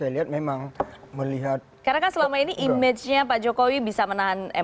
datang lagi sekarang lebih nonton kegeeek